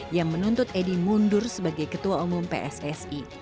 yang menuntut edi mundur sebagai ketua umum pssi